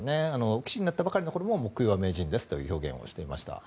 棋士になったばかりの頃も目標は名人ですというのを表現をしていました。